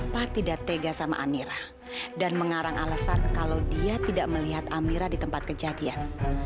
pah tidak tega sama amira dan mengarang alasan kalau dia tidak melihat amira di tempat kejadian